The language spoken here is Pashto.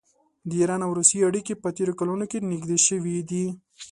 د ایران او روسیې اړیکې په تېرو کلونو کې نږدې شوي دي.